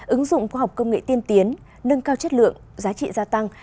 ứng dụng khoa học công nghệ tiên tiến nâng cao chất lượng giá trị gia tăng